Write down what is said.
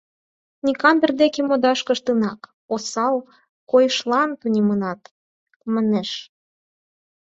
— Никандр деке модаш коштынак осал койышлан тунемынат, — манеш.